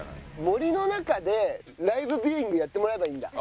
森の中でライブビューイングやってもらえばいいんだ。